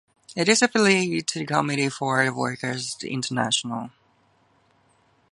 It is affiliated to the Committee for a Workers' International.